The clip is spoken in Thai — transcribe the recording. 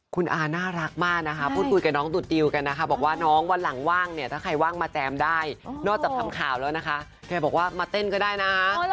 คุณอาน่ารักมากนะคะพูดคุยกับน้องดุดดิวกันนะคะบอกว่าน้องวันหลังว่างเนี่ยถ้าใครว่างมาแจมได้นอกจากทำข่าวแล้วนะคะแกบอกว่ามาเต้นก็ได้นะ